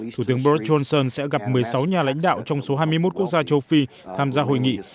thủ tướng boris johnson sẽ gặp một mươi sáu nhà lãnh đạo trong số hai mươi một quốc gia châu phi tham gia hội nghị